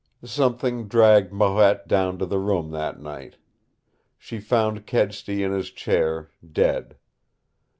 "Something dragged Marette down to the room that night. She found Kedsty in his chair dead.